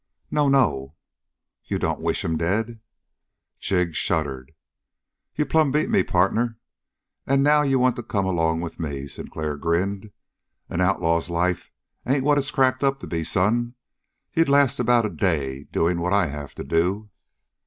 "No, no!" "You don't wish him dead?" Jig shuddered. "You plumb beat me, partner. And now you want to come along with me?" Sinclair grinned. "An outlaw's life ain't what it's cracked up to be, son. You'd last about a day doing what I have to do."